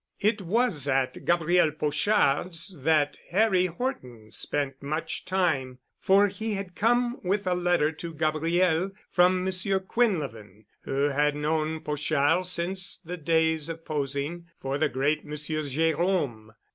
It was at Gabriel Pochard's that Harry Horton spent much time, for he had come with a letter to Gabriel from Monsieur Quinlevin, who had known Pochard since the days of posing for the great Monsieur Gerôme.